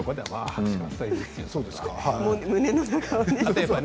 胸の中はね。